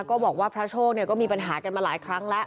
ก็บอกว่าพระโชคก็มีปัญหากันมาหลายครั้งแล้ว